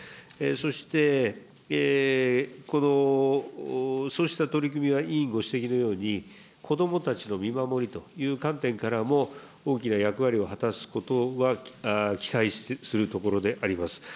そして、このそうした取り組みは委員ご指摘のように、子どもたちの見守りという観点からも、大きな役割を果たすことは期待するところであります。